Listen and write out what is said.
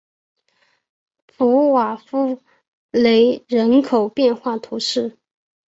普瓦夫雷人口变化图示